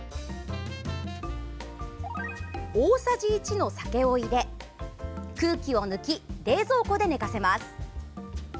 大さじ１の酒を入れ空気を抜き、冷蔵庫で寝かせます。